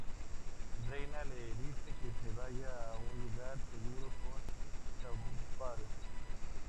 Rina le dice que se vaya a un lugar seguro con Subaru.